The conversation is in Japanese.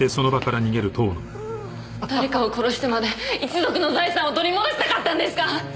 誰かを殺してまで一族の財産を取り戻したかったんですか？